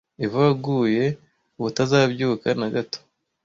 eva waguye ubutazabyuka na gato